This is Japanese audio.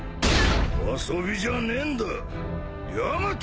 遊びじゃねえんだヤマト！